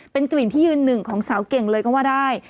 เป็นกลิ่นที่ยืนหนึ่งของสาวเก่งเลยก็ว่าได้